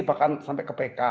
bahkan sampai ke pk